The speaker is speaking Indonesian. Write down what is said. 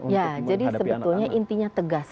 ya jadi sebetulnya intinya tegas